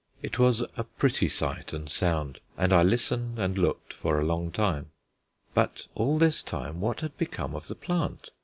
It was a pretty sight and sound, and I listened and looked for a long time. But all this time what had become of the plant?